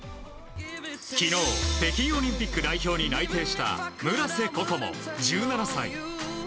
昨日、北京オリンピック代表に内定した村瀬心椛、１７歳。